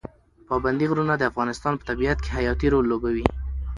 پابندي غرونه د افغانستان په طبیعت کې حیاتي رول لوبوي.